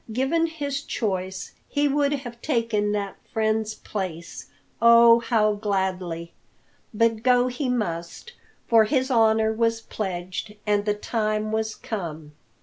Given his choice, he would have taken that friend's place oh, how gladly! But go he must, for his honour was pledged, and the time was come!